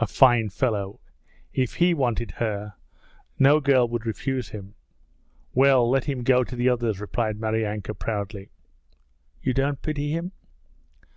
'A fine fellow! If he wanted her, no girl would refuse him.' 'Well, let him go to the others,' replied Maryanka proudly. 'You don't pity him?'